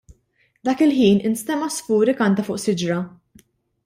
Dak il-ħin instema' għasfur ikanta fuq siġra.